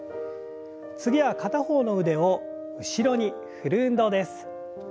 次は片方の腕を後ろに振る運動です。